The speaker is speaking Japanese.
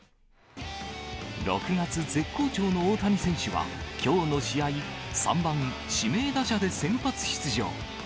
６月、絶好調の大谷選手は、きょうの試合、３番指名打者で先発出場。